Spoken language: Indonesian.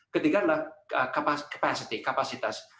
ketiga adalah kapasitas